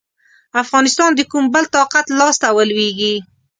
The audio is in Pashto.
افغانستان د کوم بل طاقت لاسته ولوېږي.